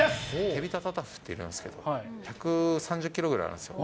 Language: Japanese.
テビタタタフっているんですけど、１３０キロぐらいあるんですよ。